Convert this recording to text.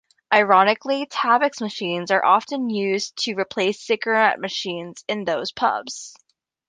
Ironically, Tabboxx machines are often being used to replace cigarette machines in those pubs.